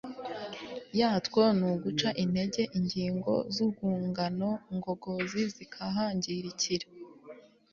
yatwo ni uguca intege ingingo zurwungano ngogozi zikahangirikira